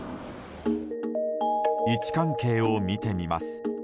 位置関係を見てみます。